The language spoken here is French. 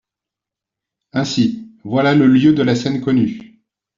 Ainsi, voilà le lieu de la scène connu.